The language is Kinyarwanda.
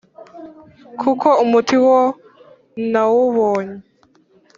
kuko umuti wo nawubonye